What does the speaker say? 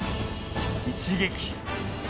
一撃。